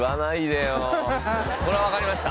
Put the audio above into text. これ分かりました